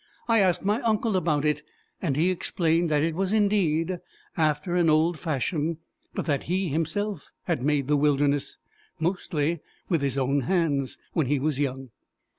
I asked my uncle about it, and he explained that it was indeed after an old fashion, but that he had himself made the wilderness, mostly with his own hands, when he was young.